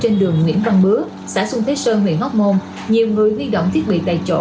nguyễn văn bứa xã xuân thới sơn huyện hốc môn nhiều người huy động thiết bị tài chỗ